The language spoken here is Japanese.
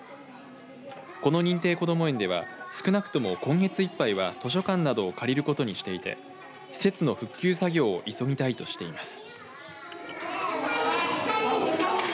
この認定こども園では少なくとも今月いっぱいは図書館などを借りることにしていて施設の復旧作業を急ぎたいとしています。